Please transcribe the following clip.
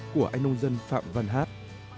của anh nông dân phạm văn hát